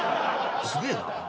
すげえな。